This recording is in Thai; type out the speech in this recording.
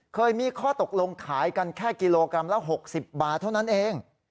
เคยมีข้อตกลงขายกันแค่กิโลกรัมละ๖๐บาทเท่านั้นเอง